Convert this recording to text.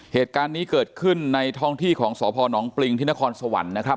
เหตุการณ์นี้เกิดขึ้นในท้องที่ของสพนปริงที่นครสวรรค์นะครับ